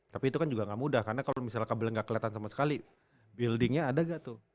tapi itu kan juga gak mudah karena kalau kabel nggak keliatan sama sama sekali buildingnya ada gak tuh